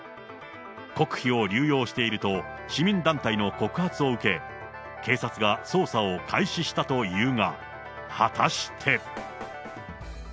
国費を流用していると、市民団体の告発を受け、警察が捜査を開始したというが、果たして。